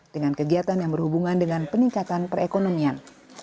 dengan kegiatan yang berhubungan dengan peningkatan perekonomian